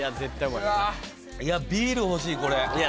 いやビール欲しい